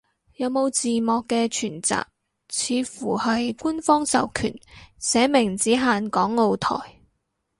有冇字幕嘅全集，似乎係官方授權，寫明只限港澳台